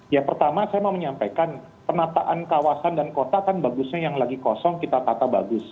ya pertama saya mau menyampaikan penataan kawasan dan kota kan bagusnya yang lagi kosong kita tata bagus